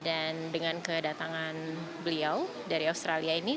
dan dengan kedatangan beliau dari australia ini